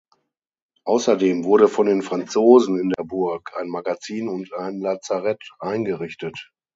Außerdem wurde von den Franzosen in der Burg ein Magazin und ein Lazarett eingerichtet.